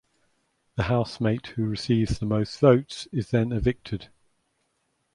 The housemate who receives the most votes votes is then evicted.